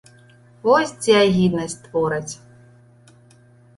Вось дзе агіднасць твораць!